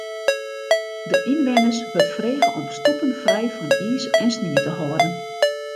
De ynwenners wurdt frege om stoepen frij fan iis en snie te hâlden.